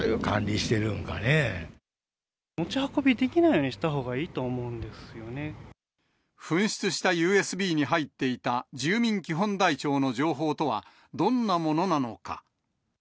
持ち運びできないようにした紛失したＵＳＢに入っていた住民基本台帳の情報とは、どんなものなのか。